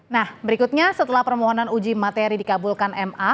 nah berikutnya setelah permohonan uji materi dikabulkan ma